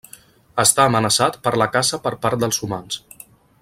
Està amenaçat per la caça per part dels humans.